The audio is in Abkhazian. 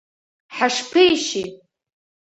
Ҳашԥеишьи!